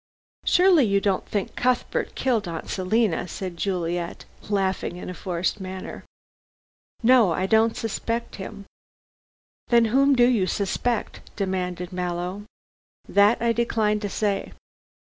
"Surely you don't think Cuthbert killed Aunt Selina?" said Juliet, laughing in a forced manner. "No. I don't suspect him." "Then whom do you suspect?" demanded Mallow. "That I decline to say."